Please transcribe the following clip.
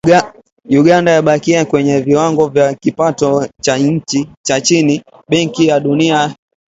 Uganda yabakia kwenye kiwango cha kipato cha chini, Benki ya Dunia yasema.